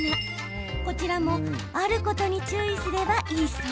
こちらも、あることに注意すればいいそう。